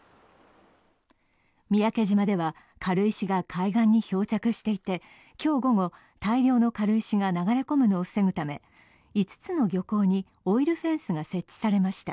三宅島では軽石が海岸に漂着していて、今日午後、大量の軽石が流れ込むのを防ぐため５つの漁港にオイルフェンスが設置されました。